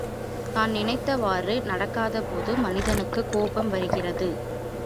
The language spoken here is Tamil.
தான் நினைத்தவாறு நடக்காதபோது மனிதனுக்குக் கோபம் வருகிறது.